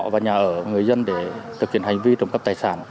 và nhà ở người dân để thực hiện hành vi trộm cắp tài sản